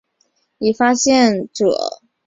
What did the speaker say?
以发现者意大利解剖学家马尔比基命名。